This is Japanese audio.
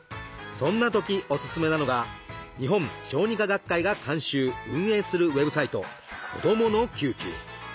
そんなときおすすめなのが日本小児科学会が監修・運営するウェブサイト「こどもの救急」。